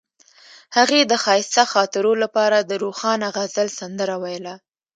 هغې د ښایسته خاطرو لپاره د روښانه غزل سندره ویله.